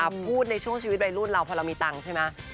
พูดในช่วงชีวิตวัยรุ่นเราพอเรามีตังค์ใช่ไหม